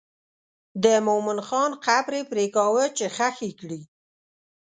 د مومن خان قبر یې پرېکاوه چې ښخ یې کړي.